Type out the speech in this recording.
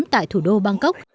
tại thủ đô bangkok